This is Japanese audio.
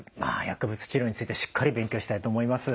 薬物治療についてしっかり勉強したいと思います。